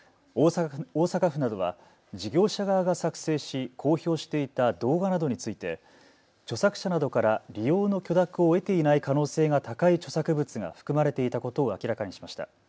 大阪府などは事業者側が作成し公表していた動画などについて著作者などから利用の許諾を得ていない可能性が高い著作物が含まれていたことを明らかにしました。